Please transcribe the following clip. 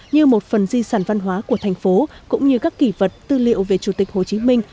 như một phần di sản văn hóa của thành phố cũng như các kỷ vật tư liệu về chủ tịch hồ chí minh